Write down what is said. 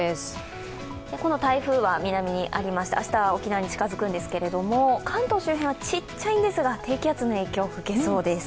この台風は南にありまして、明日は沖縄に近づくんですけど関東は小さいんですが低気圧の影響を受けそうです。